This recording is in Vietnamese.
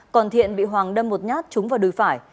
còn thiện bị hoàng đâm một nhát trúng vào đùi phải